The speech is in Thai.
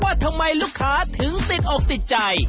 ว่าทำไมลูกค้าถึงติดอกติดใจ